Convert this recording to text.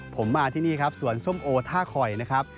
ผมมาที่นี่ครับสวนส้มโอท่าคอยนะครับ